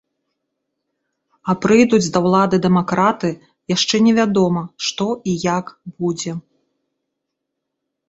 А прыйдуць да ўлады дэмакраты, яшчэ невядома, што і як будзе.